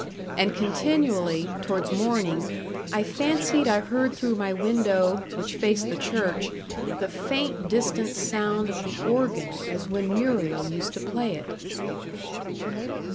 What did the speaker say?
And continually, towards morning, I fancied I heard through my window, which faced the church, the faint, distant sound of the organ, as when Muriel used to play it.